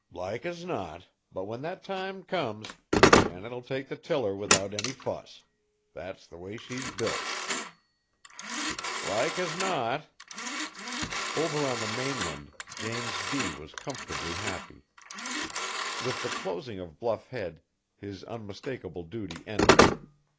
"Like as not, but when that time comes, Janet'll take the tiller without any fuss. That's the way she's built." "Like as not." Over on the mainland, James B. was comfortably happy. With the closing of Bluff Head, his unmistakable duty ended.